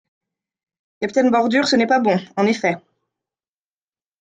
Capitaine Bordure Ce n’est pas bon, en effet.